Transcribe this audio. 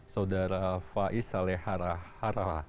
saudara faiz salehara